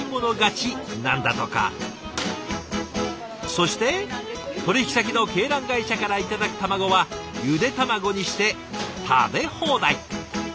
そして取引先の鶏卵会社から頂く卵はゆで卵にして食べ放題。